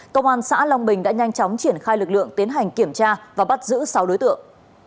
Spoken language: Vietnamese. công an xã long bình đã nhanh chóng triển khai lực lượng tiến hành kiểm tra và bắt giữ sáu đối tượng